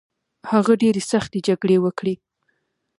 هغه ډیرې سختې جګړې وکړې